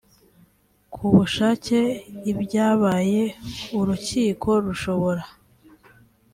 ku bushake ibyabaye urukiko rushobora